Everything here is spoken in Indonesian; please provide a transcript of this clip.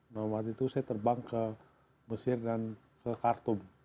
nah waktu itu saya terbang ke mesir dan ke khartoum